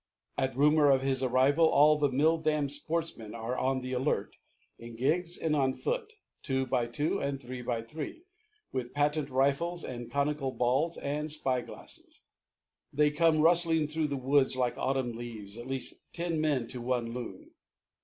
At rumor of his arrival all the mill dam sportsmen are on the alert, in gigs and on foot, two by two and three by three, with patent rifles and conical balls and spy glasses. They come rustling through the woods like autumn leaves, at least ten men to one loon.